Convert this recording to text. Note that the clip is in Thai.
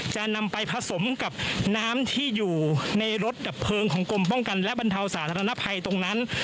จะนำไปผสมกับน้ำที่อยู่ในรถดับเพลิงของกรมป้องกันและบรรเทาสาธารณภัยตรงนั้น